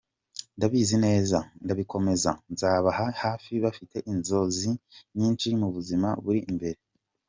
Nzabikomeza, nzababa hafi bafite inzozi nyinshi mu buzima buri imbere.